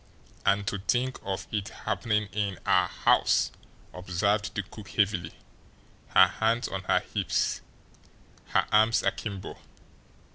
"And to think of it happening in OUR house!" observed the cook heavily, her hands on her hips, her arms akimbo.